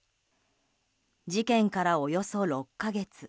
事件から、およそ６か月。